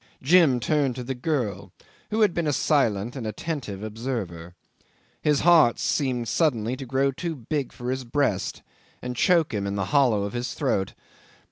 Jim turned to the girl, who had been a silent and attentive observer. His heart seemed suddenly to grow too big for his breast and choke him in the hollow of his throat.